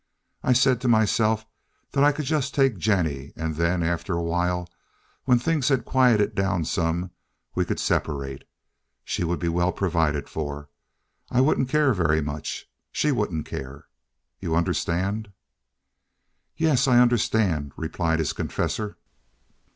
I said to myself that I could just take Jennie, and then, after a while, when things had quieted down some, we could separate. She would be well provided for. I wouldn't care very much. She wouldn't care. You understand." "Yes, I understand," replied his confessor.